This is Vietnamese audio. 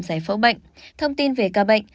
giải phẫu bệnh thông tin về ca bệnh